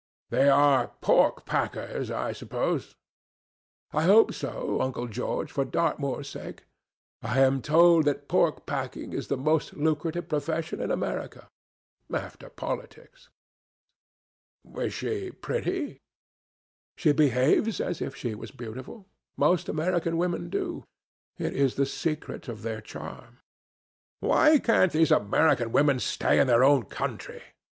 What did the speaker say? "They are pork packers, I suppose?" "I hope so, Uncle George, for Dartmoor's sake. I am told that pork packing is the most lucrative profession in America, after politics." "Is she pretty?" "She behaves as if she was beautiful. Most American women do. It is the secret of their charm." "Why can't these American women stay in their own country?